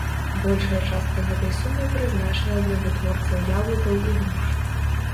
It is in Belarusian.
Большая частка гэтай сумы прызначана для вытворцаў яблыкаў і груш.